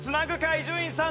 伊集院さん。